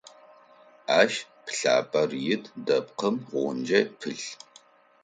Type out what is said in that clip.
Ащ пылъапӏэр ит, дэпкъым гъунджэ пылъ.